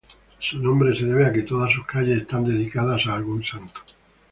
Su nombre se debe a que todas sus calles están dedicadas a algún santo.